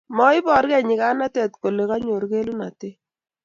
maibor kei nyikanatet kole kanyor kelunotet